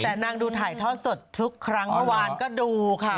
แต่นางดูถ่ายทอดสดทุกครั้งเมื่อวานก็ดูค่ะ